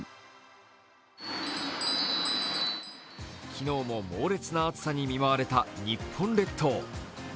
昨日も猛烈な暑さに見舞われた日本列島。